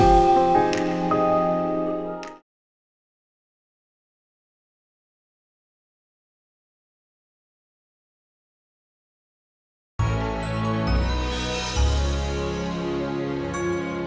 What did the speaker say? tidak ada apa apa